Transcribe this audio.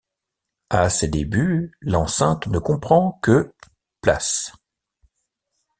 À ses débuts, l'enceinte ne comprend que places.